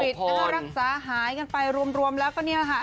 รักษาหายกันไปรวมแล้วก็เนี่ยค่ะ